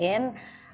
ada di instagram